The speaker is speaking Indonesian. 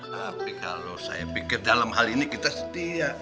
tapi kalau saya pikir dalam hal ini kita setia